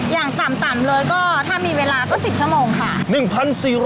อย่างต่ำเลยก็ถ้ามีเวลาก็๑๐ชั่วโมงค่ะ